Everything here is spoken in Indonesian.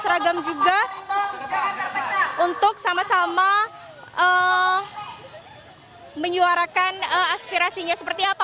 seragam juga untuk sama sama menyuarakan aspirasinya seperti apa